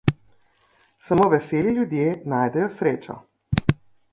Samo veseli ljudje najdejo srečo.